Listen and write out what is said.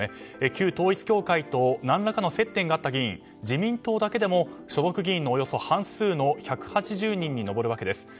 旧統一教会と何らかの接点があった議員自民党だけでも所属議員のおよそ半数の１８０人に上るわけです。